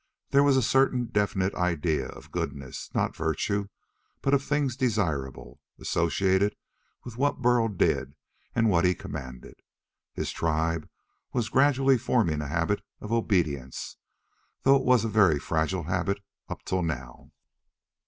There was a certain definite idea of goodness not virtue, but of things desirable associated with what Burl did and what he commanded. His tribe was gradually forming a habit of obedience, though it was a very fragile habit up to now.